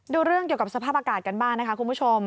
เรื่องเกี่ยวกับสภาพอากาศกันบ้างนะคะคุณผู้ชม